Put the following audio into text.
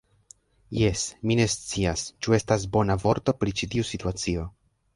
Jes, mi ne scias, ĉu estas bona vorto pri ĉi tiu situacio.